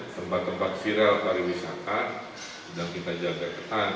tempat tempat sirel pariwisata dan kita jaga ketat dengan darah lembang